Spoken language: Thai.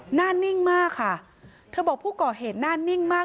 หน้านิ่งมากค่ะเธอบอกผู้ก่อเหตุหน้านิ่งมาก